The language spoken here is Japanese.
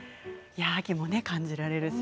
秋も感じられるし。